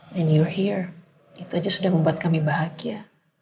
dan kamu sudah kembali itu aja sudah membuat kami bahagia